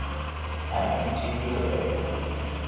Amek ittili baba-k?